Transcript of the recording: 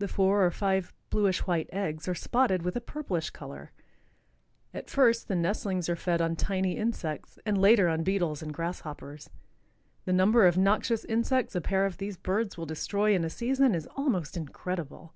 The four or five bluish white eggs are spotted with a purplish color. At first the nestlings are fed on tiny insects and later on beetles and grasshoppers. The number of noxious insects a pair of these birds will destroy in a season is almost incredible.